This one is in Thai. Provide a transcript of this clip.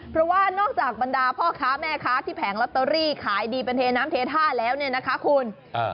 เพราะว่านอกจากบรรดาพ่อค้าแม่ค้าที่แผงลอตเตอรี่ขายดีเป็นเทน้ำเทท่าแล้วเนี่ยนะคะคุณ